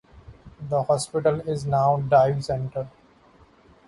The hospital is now a dive centre.